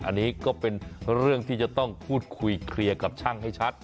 อันนี้ก็เป็นเรื่องที่จะต้องพูดคุยเคลียร์กับช่างให้ชัด